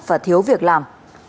và không được làm